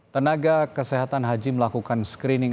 tenaga kesehatan haji melakukan screening